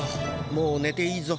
もうねていいぞ。